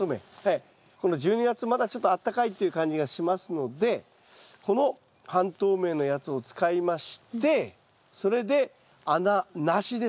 １２月まだちょっとあったかいという感じがしますのでこの半透明のやつを使いましてそれで穴なしですこれ。